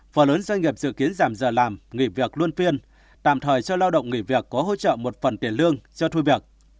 phần lớn doanh nghiệp dự kiến giảm giờ làm nghỉ việc luân phiên tạm thời cho lao động nghỉ việc có hỗ trợ một phần tiền lương cho thu việc